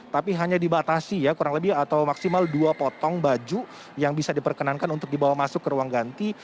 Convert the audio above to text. tapi hanya dibatasi ya kurang lebih atau maksimal dua potong baju yang bisa diperkenankan untuk dibawa masuk ke ruang ganti